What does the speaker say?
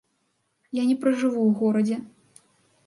Я не пражыву ў горадзе.